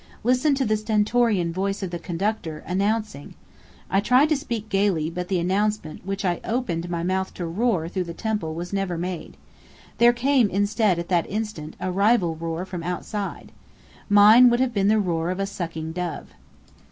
Listen to the stentorian voice of the Conductor, announcing " I tried to speak gayly; but the announcement, which I opened my mouth to roar through the temple, was never made. There came instead, at that instant, a rival roar from outside. Mine would have been the roar of a sucking dove.